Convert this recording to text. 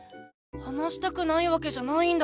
話したくないわけじゃないんだ！